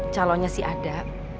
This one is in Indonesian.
calonnya sih ada